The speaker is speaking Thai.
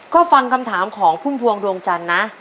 ก็ฟังคำถามของพุ่มพวงดวงจันทร์นะ